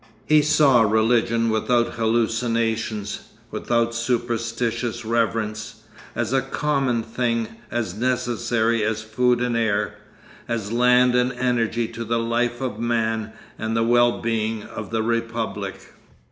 He saw religion without hallucinations, without superstitious reverence, as a common thing as necessary as food and air, as land and energy to the life of man and the well being of the Republic.